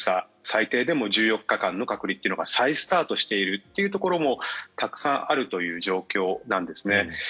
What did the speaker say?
最低でも１４日間の隔離というのが再スタートしているというところもたくさんあるという状況なんですね。